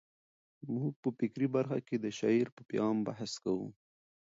موږ په فکري برخه کې د شاعر په پیغام بحث کوو.